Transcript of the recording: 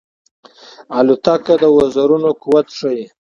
الوتکه د وزرونو قوت ښيي.